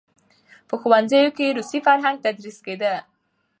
په ښوونځیو کې روسي فرهنګ تدریس کېده.